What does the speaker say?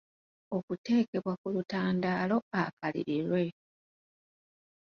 okuteekebwa ku lutandaalo akalirirwe